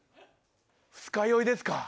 二日酔いですか？